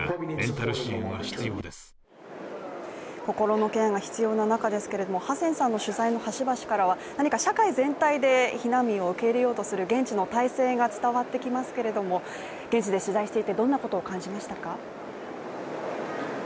心のケアが必要な中ですけれども、ハセンさんの取材の端々からは社会全体で避難民を受け入れようとする現地の体制が伝わってきますけれども現地で取材していて、どんなことを感じましたか？